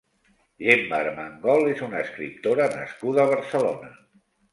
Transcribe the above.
Gemma Armengol és una escriptora nascuda a Barcelona.